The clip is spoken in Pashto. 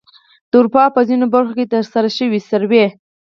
د اروپا په ځینو برخو کې د ترسره شوې سروې